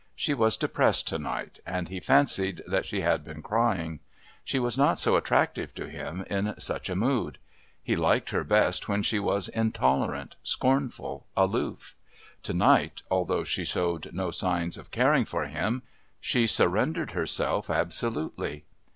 She was depressed to night, and he fancied that she had been crying. She was not so attractive to him in such a mood. He liked her best when she was intolerant, scornful, aloof. To night, although she showed no signs of caring for him, she surrendered herself absolutely.